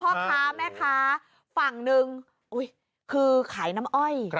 พ่อค้าแม่ค้าฝั่งหนึ่งคือขายน้ำอ้อย